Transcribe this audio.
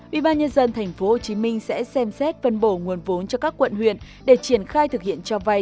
bị ba nhân dân tp hcm sẽ xem xét phân bổ nguồn vốn cho các quận huyện để triển khai thực hiện cho vai